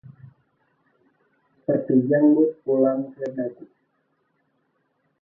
Seperti janggut pulang ke dagu